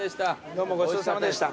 どうもごちそうさまでした。